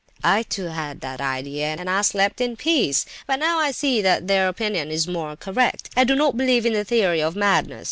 "I too had that idea, and I slept in peace. But now I see that their opinion is more correct. I do not believe in the theory of madness!